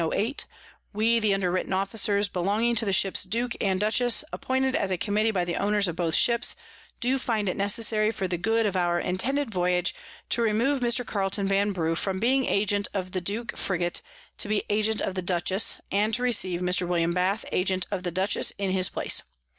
We the underwritten Officers belonging to the Ships Duke and Dutchess, _appointed as a Committee by the Owners of both Ships, do find it necessary for the Good of our intended Voyage, to remove Mr._ Carleton Vanbrugh from being Agent of the Duke Frigate, to be Agent of the Dutchess, and to receive Mr. William Bath Agent of the Dutchess _in his Place.